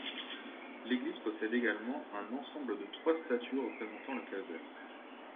L'église possède également un ensemble de trois statues représentant le Calvaire.